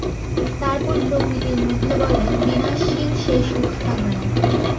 তারপর প্রকৃতির মধ্যে বলে বিনাশশীল সে-সুখ থাকবে না।